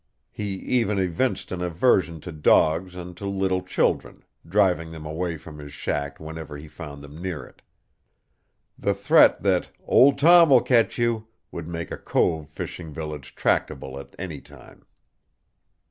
He even evinced an aversion to dogs and to little children, driving them away from his shack whenever he found them near it. The threat that "Old Tom will catch you" would make a cove fishing village tractable at any time.